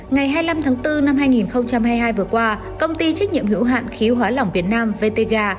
ngày hai mươi năm tháng bốn năm hai nghìn hai mươi hai vừa qua công ty trách nhiệm hữu hạn khí hóa lỏng việt nam vtga